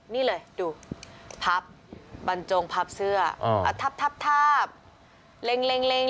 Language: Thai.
นี่เลยดูพับบรรโจงพับเสื้อเอ่อเราทับแล้ว